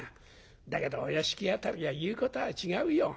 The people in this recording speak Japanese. だけどお屋敷辺りは言うことは違うよ。